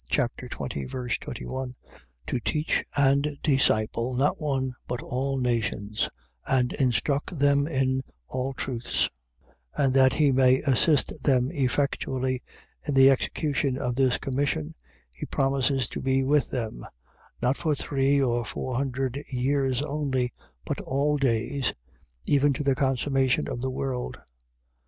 21) to teach and disciple, not one, but all nations; and instruct them in all truths: and that he may assist them effectually in the execution of this commission, he promises to be with them, not for three or four hundred years only, but all days, even to the consummation of the world.